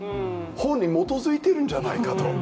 法に基づいているんじゃないかと。